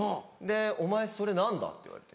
「お前それ何だ？」って言われて。